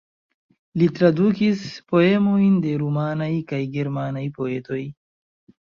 Li tradukis poemojn de rumanaj kaj germanaj poetoj.